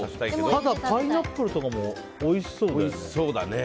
パイナップルとかもおいしそうだよね。